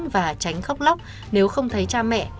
và tránh khóc lóc nếu không thấy cha mẹ